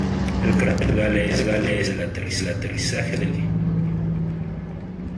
El cráter Gale es el lugar del aterrizaje del "Curiosity".